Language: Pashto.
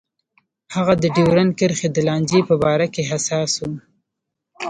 هغه د ډیورنډ کرښې د لانجې په باره کې حساس و.